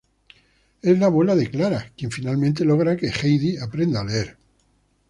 Es la abuela de Clara, quien finalmente logra que Heidi aprenda a leer.